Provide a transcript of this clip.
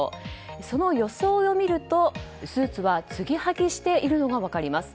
その装いを見るとスーツはつぎはぎしているのが分かります。